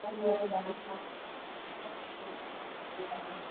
Partidak jaia izan behar duela dio, batia emakumeen futbola sustatzeko aukera ere.